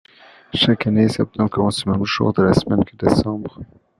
Chaque année, septembre commence le même jour de la semaine que décembre.